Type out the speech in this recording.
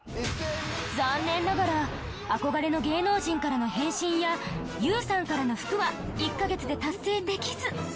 残念ながら憧れの芸能人からの返信や ＹＯＵ さんからの服は１カ月で達成できず